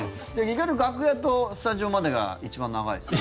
意外と楽屋とスタジオまでが一番長いです。